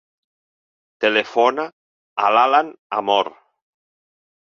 Telefona a l'Alan Amor.